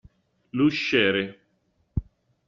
L'usciere.